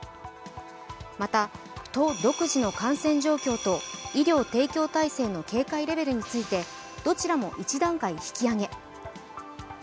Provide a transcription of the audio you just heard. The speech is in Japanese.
また、都独自の感染状況と医療提供体制のレベルについてどちらも１段階引き上げ。